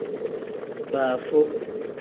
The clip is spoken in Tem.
Baafu.